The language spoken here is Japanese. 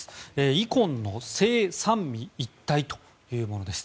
イコンの「聖三位一体」というものです。